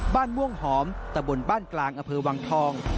บ้านม่วงหอมตะบนบ้านกลางอำเภอวังทอง